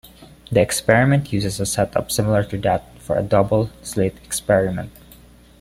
The experiment uses a setup similar to that for the double-slit experiment.